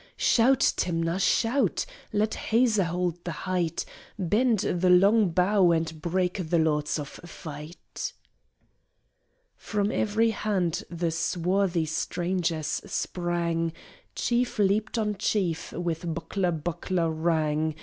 "Shout, Timnath, shout! Let Hazor hold the height, Bend the long bow and break the lords of fight!" From every hand the swarthy strangers sprang, Chief leaped on chief, with buckler buckler rang!